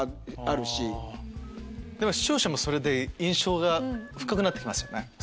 でも視聴者もそれで印象が深くなって行きますよね